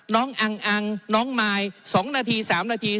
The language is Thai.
อังน้องมาย๒นาที๓นาที